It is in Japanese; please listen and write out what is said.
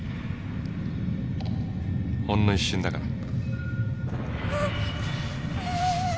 ほんの一瞬だから。